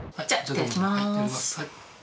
いただきます。